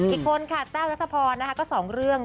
อีกคนค่ะต้าดรัฐภนักษณะค็ะ